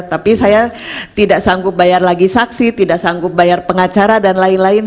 tapi saya tidak sanggup bayar lagi saksi tidak sanggup bayar pengacara dan lain lain